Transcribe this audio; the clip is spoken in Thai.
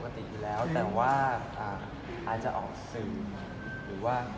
แต่เหมือนก็หวานคือเขา